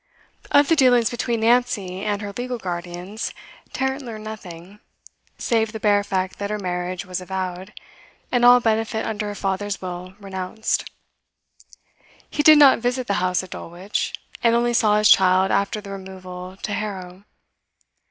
Of the dealings between Nancy and her legal guardians Tarrant learned nothing, save the bare fact that her marriage was avowed, and all benefit under her father's will renounced. He did not visit the house at Dulwich, and only saw his child after the removal to Harrow.